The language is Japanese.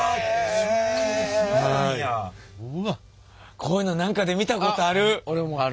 こういうの何かで見たことある！